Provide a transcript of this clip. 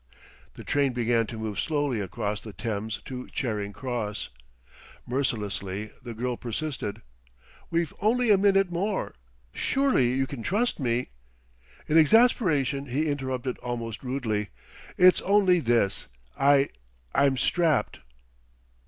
The train began to move slowly across the Thames to Charing Cross. Mercilessly the girl persisted. "We've only a minute more. Surely you can trust me...." In exasperation he interrupted almost rudely. "It's only this: I I'm strapped."